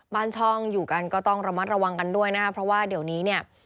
บ้านช่องอยู่กันก็ต้องระมัดระวังกันด้วยนะครับเพราะว่าเดี๋ยวนี้เนี่ย